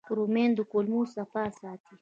رومیان د کولمو صفا ساتي